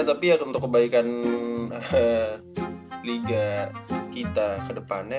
ya tapi ya untuk kebaikan liga kita kedepannya